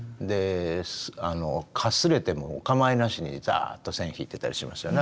かすれてもおかまいなしにざっと線引いてたりしますよね。